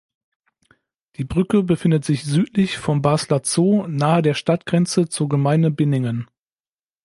Die Brücke befindet sich südlich vom Basler Zoo nahe der Stadtgrenze zur Gemeinde Binningen.